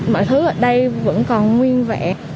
mọi thứ ở đây vẫn còn nguyên vẹn